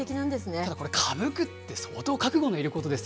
ただこれ、かぶくって相当覚悟のいることですよ。